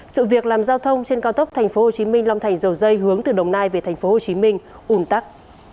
sự việc làm giao thông trên cao tốc tp hcm long thành dầu dây hướng từ đồng nai về tp hcm ùn tắc